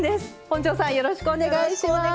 本上さんよろしくお願いします。